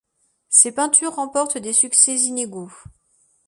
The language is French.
Ses peintures remportent des succès inégaux.